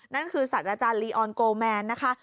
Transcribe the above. นั่นคือสัตว์อาจารย์ลีออนโกแมนนะคะ